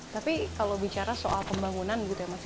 tapi kalau bicara soal pembangunan gitu ya mas